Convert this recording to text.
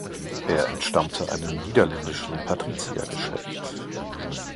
Er entstammte einem niederländischen Patriziergeschlecht.